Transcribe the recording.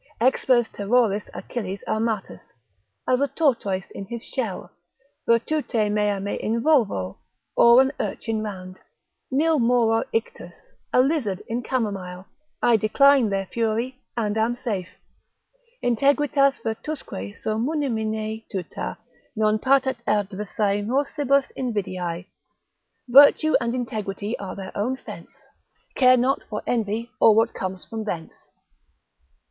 Expers terroris Achilles armatus: as a tortoise in his shell, virtute mea me involvo, or an urchin round, nil moror ictus a lizard in camomile, I decline their fury and am safe. Integritas virtusque suo munimine tuta, Non patet adversae morsibus invidiae: Virtue and integrity are their own fence, Care not for envy or what comes from thence.